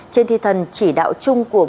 trên thi thần chỉ đạo chung của